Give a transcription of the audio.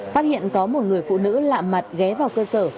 phát hiện có một người phụ nữ lạ mặt ghé vào cơ sở